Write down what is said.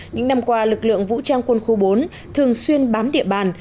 những năm qua lực lượng vũ trang quân khu bốn thường xuyên bám địa bàn